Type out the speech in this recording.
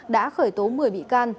đã khởi tố một mươi bị can